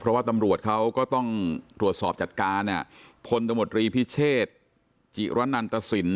เพราะว่าตำรวจเขาก็ต้องตรวจสอบจัดการพลตมตรีพิเชษจิระนันตสิน